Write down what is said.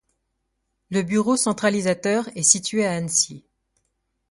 Le bureau centralisateur est situé à Annecy.